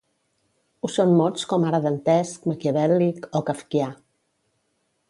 Ho són mots com ara dantesc, maquiavèl·lic o kafkià.